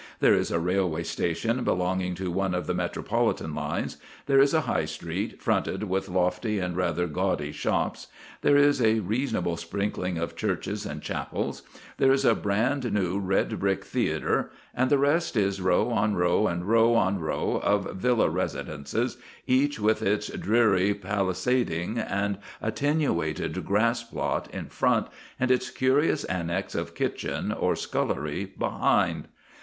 There is a railway station belonging to one of the metropolitan lines; there is a High Street, fronted with lofty and rather gaudy shops; there is a reasonable sprinkling of churches and chapels; there is a brand new red brick theatre; and the rest is row on row and row on row of villa residences, each with its dreary palisading and attenuated grass plot in front, and its curious annex of kitchen, or scullery, behind.